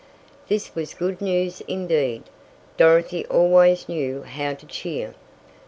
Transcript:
This was good news indeed Dorothy always knew how to cheer.